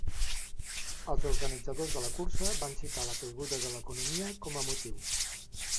Els organitzadors de la cursa van citar la caiguda de l'economia com a motiu.